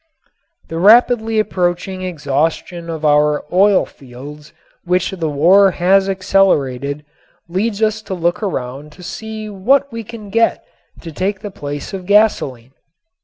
The rapidly approaching exhaustion of our oil fields which the war has accelerated leads us to look around to see what we can get to take the place of gasoline.